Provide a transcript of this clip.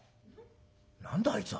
「何だあいつは？